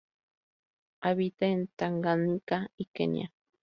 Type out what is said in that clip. Habita en Tanganica y Kenia.